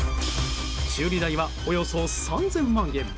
修理代は、およそ３０００万円。